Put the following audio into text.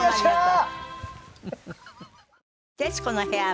『徹子の部屋』は